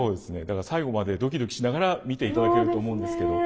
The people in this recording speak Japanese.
だから最後までドキドキしながら見ていただけると思うんですけど。